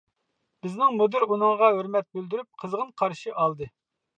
بىزنىڭ مۇدىر ئۇنىڭغا ھۆرمەت بىلدۈرۈپ، قىزغىن قارشى ئالدى.